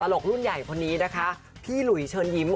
ลกรุ่นใหญ่คนนี้นะคะพี่หลุยเชิญยิ้ม